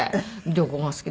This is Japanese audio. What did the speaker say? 旅行が好き